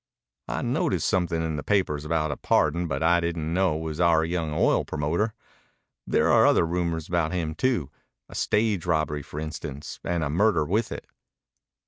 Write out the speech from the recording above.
"I noticed something in the papers about a pardon, but I didn't know it was our young oil promoter. There are other rumors about him too. A stage robbery, for instance, and a murder with it."